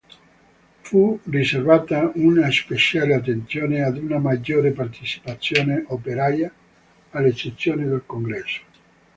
Fu riservata una speciale attenzione ad una maggiore partecipazione operaia alle sessioni del Congresso.